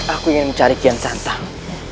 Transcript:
aku ingin mencari kian santang